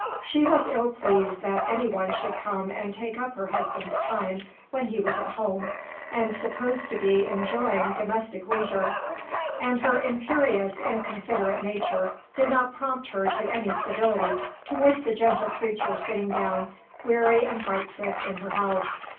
She was ill pleased that any one should come and take up her husband's time when he was at home, and supposed to be enjoying domestic leisure; and her imperious, inconsiderate nature did not prompt her to any civility towards the gentle creature sitting down, weary and heart sick, in her house.